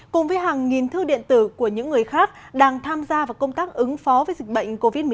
cùng với hàng nghìn thư điện tử của những người khác đang tham gia vào công tác ứng phó với dịch bệnh covid một mươi chín